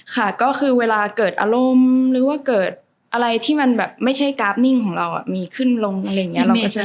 ค่ะก็คือเวลาเกิดอารมณ์หรือว่าเกิดอะไรที่มันแบบไม่ใช่กราฟนิ่งของเรามีขึ้นลงอะไรอย่างนี้